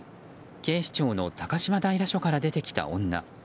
警視庁の高島平署から出てきた女。